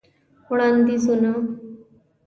وړاندیزونه :